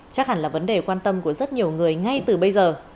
chắc hẳn là vấn đề quan tâm của rất nhiều người ngay từ bây giờ